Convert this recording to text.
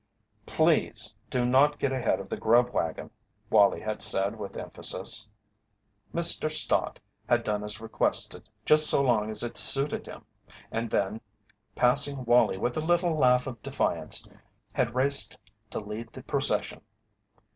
"Please do not get ahead of the grub wagon," Wallie had said with emphasis. Mr. Stott had done as requested just so long as it suited him, and then passing Wallie with a little laugh of defiance had raced to lead the procession.